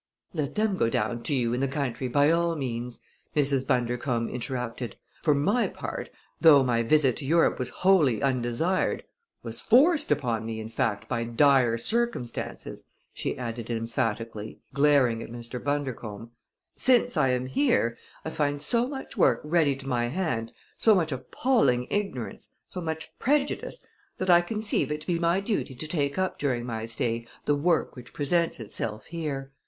"Let them go down to you in the country by all means!" Mrs. Bundercombe interrupted. "For my part, though my visit to Europe was wholly undesired was forced upon me, in fact, by dire circumstances," she added emphatically, glaring at Mr. Bundercombe "since I am here I find so much work ready to my hand, so much appalling ignorance, so much prejudice, that I conceive it to be my duty to take up during my stay the work which presents itself here.